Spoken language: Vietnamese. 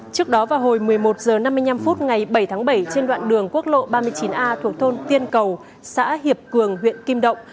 trước đó vào hồi một mươi một h năm mươi năm phút ngày bảy tháng bảy trên đoạn đường quốc lộ ba mươi chín a thuộc thôn tiên cầu xã hiệp cường huyện kim động